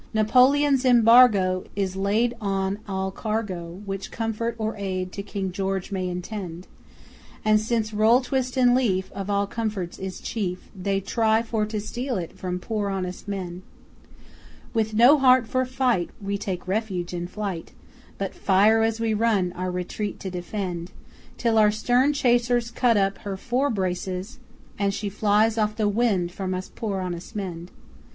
Napoleon's embargo Is laid on all cargo Which comfort or aid to King George may intend; And since roll, twist and leaf, Of all comforts is chief, They try for to steal it from poor honest men! With no heart for fight, We take refuge in flight, But fire as we run, our retreat to defend, Until our stern chasers Cut up her fore braces, And she flies off the wind from us poor honest men!